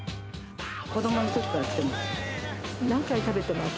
子どものときから来てます。